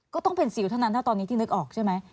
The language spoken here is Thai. ก็ต้องเป็นซิลเท่านั้นถ้าตอนนี้ที่นึกออกใช่ไหม